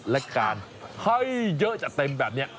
และการให้เยอะจัดเต็มแบบนี้